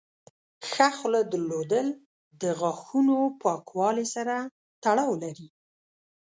ښه خوله درلودل د غاښونو پاکوالي سره تړاو لري.